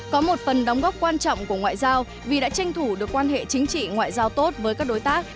có một phần đóng góp quan trọng của ngoại giao vì đã tranh thủ được quan hệ chính trị ngoại giao tốt với các đối tác